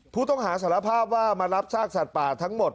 ผู้ต้องหาสารภาพว่ามารับซากสัตว์ป่าทั้งหมด